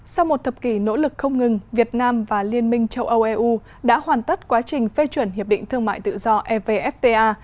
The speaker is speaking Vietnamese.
sau một thập kỷ nỗ lực không ngừng việt nam và liên minh châu âu eu đã hoàn tất quá trình phê chuẩn hiệp định thương mại tự do evfta